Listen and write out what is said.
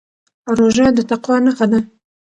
روژه د تقوا نښه ده.